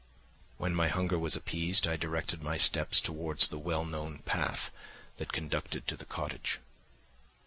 "When my hunger was appeased, I directed my steps towards the well known path that conducted to the cottage.